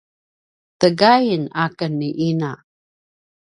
tegain a ken ni ina